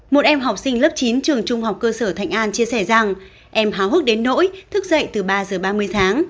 một em học sinh lớp chín trường trung học cơ sở thạnh an chia sẻ rằng em háo hức đến nỗi thức dậy từ ba giờ ba mươi tháng